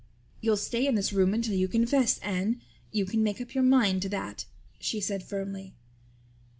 "You'll stay in this room until you confess, Anne. You can make up your mind to that," she said firmly.